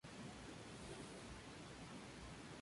Por lo que puede ser una buena opción para mejorar el cash flow.